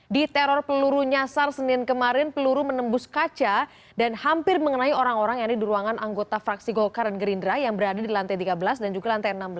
di teror peluru nyasar senin kemarin peluru menembus kaca dan hampir mengenai orang orang yang ada di ruangan anggota fraksi golkar dan gerindra yang berada di lantai tiga belas dan juga lantai enam belas